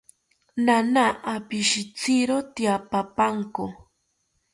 Naana opishitziro tyaapapanko